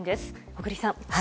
小栗さん。